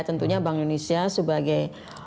tentunya bank indonesia sebagai